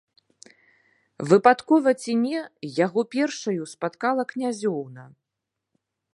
Выпадкова ці не, яго першаю спаткала князёўна.